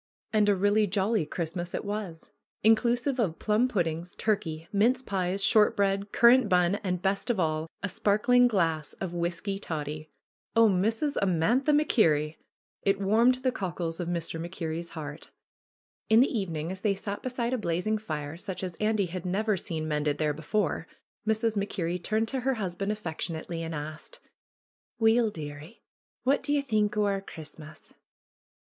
And a really jolly Christmas it was! Inclusive of plum puddings, turkey, mince pies, short bread, currant bun, and, best of all, a sparkling glass of whisky toddy ! (Oh, Mrs. Amantha MacKerrie!) It warmed the cockles of Mr. MacKerrie's heart. In the evening, as they sat beside a blazing fire such as Andy had never seen mended there before, Mrs. Mac Kerrie turned to her husband affectionately and asked: ^^Weel, dearie, wha' dae ye think o' our Christmas?"